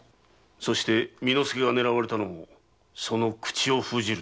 そして巳之助が狙われたのもその口を封じるため。